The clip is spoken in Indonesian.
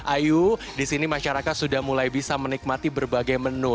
ayo disini masyarakat sudah mulai bisa menikmati berbagai menu